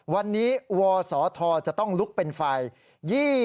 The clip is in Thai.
วันนี้วศธจะต้องลุกเป็นไฟ